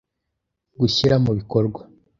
Gushyira mu bikorwa